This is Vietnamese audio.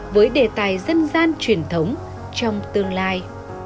với đề tài dân gian truyền thống trong tương lai